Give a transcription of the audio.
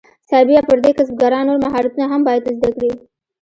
سربیره پر دې کسبګران نور مهارتونه هم باید زده کړي.